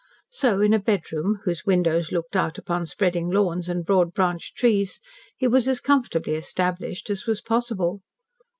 So, in a bedroom whose windows looked out upon spreading lawns and broad branched trees, he was as comfortably established as was possible.